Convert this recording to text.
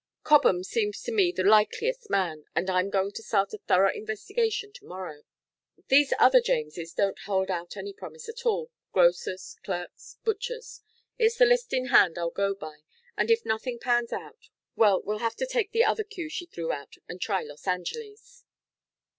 Cobham seems to me the likeliest man, and I'm going to start a thorough investigation to morrow. These other Jameses don't hold out any promise at all grocers, clerks, butchers. It's the list in hand I'll go by, and if nothing pans out well, we'll have to take the other cue she threw out and try Los Angeles."